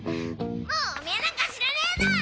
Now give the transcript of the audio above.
もうオメエなんか知らねえだ。